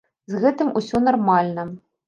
З гэтым усё нармальна.